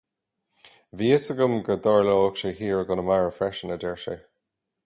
Bhí a fhios agam go dtarlódh sé thiar i gConamara freisin, a deir sé.